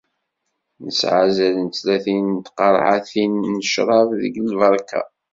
Nesεa azal n tlatin n tqerεatin n ccrab deg lberka.